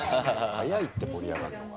早いって盛り上がるのが。